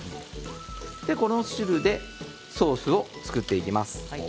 この汁でソースを作っていきます。